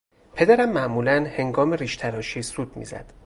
پدرم معمولا هنگام ریشتراشی سوت میزد.